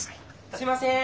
すいません。